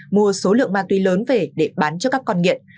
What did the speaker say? mua số lượng ma túy lớn về để bán cho các con nghiện